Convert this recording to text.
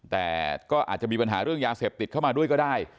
แต่ก็อาจจะมีปัญหาเรื่องยาเสพติดเข้ามาด้วยก็ได้